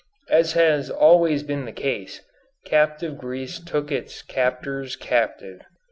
As has always been the case, captive Greece took its captors captive.